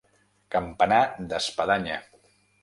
Campanar d'espadanya.